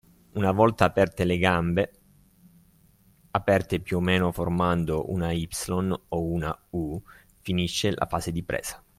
Una volta aperte le gambe aperte più o meno formando una “Y” o una “U”, finisce la fase di presa.